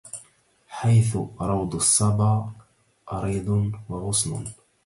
حيث روض الصبا أريض وغصن